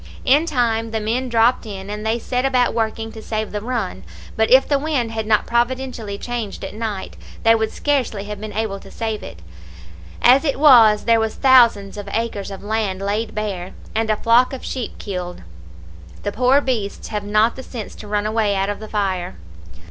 In time the men dropped in, and they set about working to save the run, but if the wind had not providentially changed at night, they would scarcely have been able to save it. As it was, there was thousands of acres of land laid bare, and a flock of sheep killed; the poor beasts have not the sense to run away out of the fire.